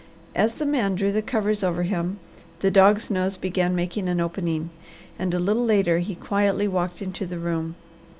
As the man drew the covers over him, the dog's nose began making an opening, and a little later he quietly walked into the room.